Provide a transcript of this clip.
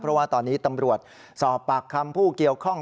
เพราะว่าตอนนี้ตำรวจสอบปากคำผู้เกี่ยวข้อง